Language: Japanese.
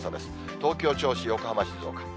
東京、銚子、横浜、静岡。